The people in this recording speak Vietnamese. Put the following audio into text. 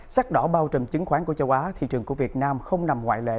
sắc đỏ bao trùm chứng khoán của châu á thị trường của việt nam không nằm ngoại lệ